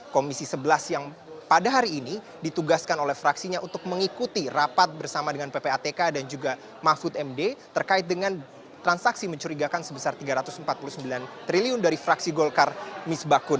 komisi sebelas yang pada hari ini ditugaskan oleh fraksinya untuk mengikuti rapat bersama dengan ppatk dan juga mahfud md terkait dengan transaksi mencurigakan sebesar rp tiga ratus empat puluh sembilan triliun dari fraksi golkar misbakun